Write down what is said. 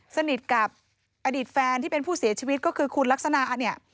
สนิทกับอดีตแฟนที่เป็นผู้เสียชีวิตก็คือคุณลักษณะเนี่ย